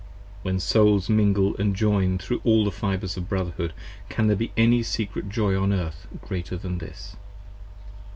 When Souls mingle & join thro' all the Fibres of Brotherhood 15 Can there be any secret joy on Earth greater than this?